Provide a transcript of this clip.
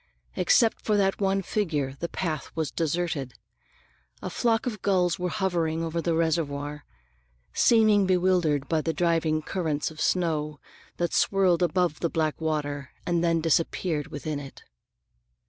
Except for that one figure, the path was deserted. A flock of gulls were hovering over the reservoir, seeming bewildered by the driving currents of snow that whirled above the black water and then disappeared within it.